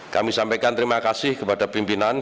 kami sampaikan terima kasih kepada pimpinan